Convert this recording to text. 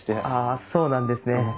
ああそうなんですね。